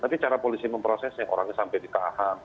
tapi cara polisi memprosesnya orangnya sampai di kah